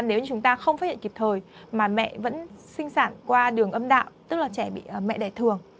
nếu chúng ta không phát hiện kịp thời mà mẹ vẫn sinh sản qua đường âm đạo tức là trẻ bị mẹ đẻ thường